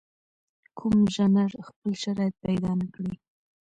کوم ژانر خپل شرایط پیدا نکړي.